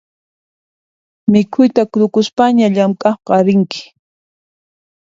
Mikhuyta tukuspaña llamk'aqqa rinki